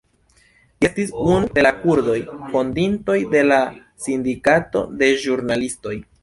Li estis unu de la kurdoj fondintoj de la Sindikato de Ĵurnalistoj.